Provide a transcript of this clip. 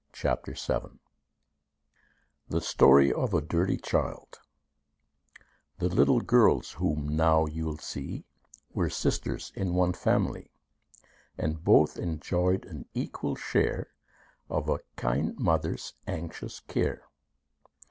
THE STORY OF A DIRTY CHILD The little girls whom now you'll see Were sisters in one family; And both enjoyed an equal share Of a kind mother's anxious care.